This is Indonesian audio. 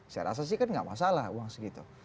saya rasa sih kan nggak masalah uang segitu